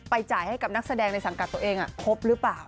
จ่ายให้กับนักแสดงในสังกัดตัวเองครบหรือเปล่า